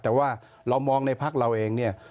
แต่ว่าเรามองในภักดิ์เราเอง